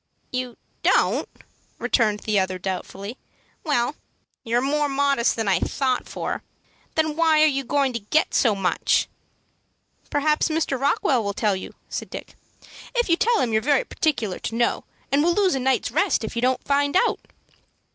"You don't!" returned the other, doubtfully. "Well, you're more modest than I thought for. Then why are you to get so much?" "Perhaps Mr. Rockwell will tell you," said Dick, "if you tell him you're very particular to know, and will lose a night's rest if you don't find out."